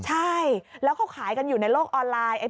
ใช่แล้วเขาขายกันอยู่ในโลกออนไลน์